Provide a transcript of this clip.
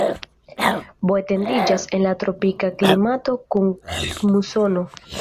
Bo etendiĝas en la tropika klimato kun musono.